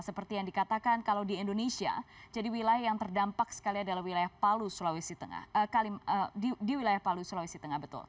seperti yang dikatakan kalau di indonesia jadi wilayah yang terdampak sekali adalah di wilayah palu sulawesi tengah